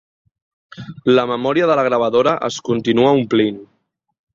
La memòria de la gravadora es continua omplint.